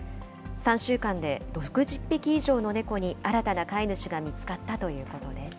３週間で６０匹以上の猫に新たな飼い主が見つかったということです。